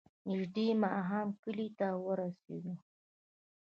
نژدې ماښام کلي ته ورسېدو.